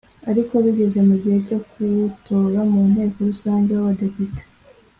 ariko bigeze mu gihe cyo kuwutora mu nteko rusange w’abadepite